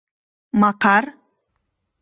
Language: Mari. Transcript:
Макар!